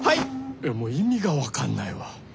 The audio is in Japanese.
いやもう意味が分かんないわ。